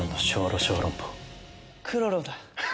クロロだ！